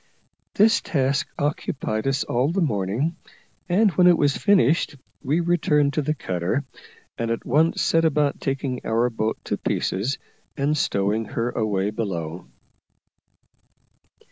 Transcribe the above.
This task occupied us all the morning, and when it was finished we returned to the cutter, and at once set about taking our boat to pieces and stowing her away below.